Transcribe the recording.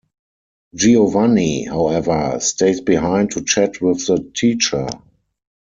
Giovanni, however, stays behind to chat with the teacher.